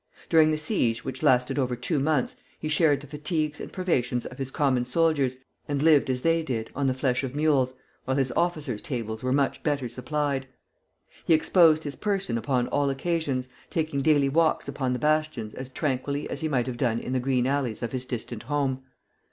During the siege, which lasted over two months, he shared the fatigues and privations of his common soldiers, and lived as they did, on the flesh of mules, while his officers' tables were much better supplied. He exposed his person upon all occasions, taking daily walks upon the bastions as tranquilly as he might have done in the green alleys of his distant home.